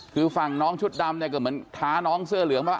คือฝั่งน้องชุดดำเนี่ยก็เหมือนท้าน้องเสื้อเหลืองว่า